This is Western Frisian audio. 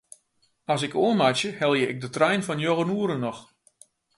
As ik oanmeitsje helje ik de trein fan njoggen oere noch.